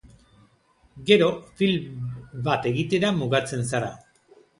Gero, film bat egitera mugatzen zara.